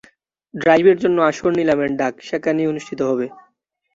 ড্রাইভের জন্য আসল নিলামের ডাক, সেখানেই অনুষ্ঠিত হবে।